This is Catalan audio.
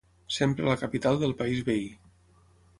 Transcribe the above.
Sempre a la capital del país veí.